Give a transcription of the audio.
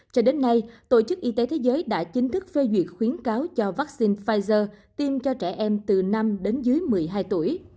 cho đến nay tổ chức y tế thế giới đã chính thức phê duyệt khuyến cáo cho vaccine pfizer tiêm cho trẻ em từ năm đến dưới một mươi hai tuổi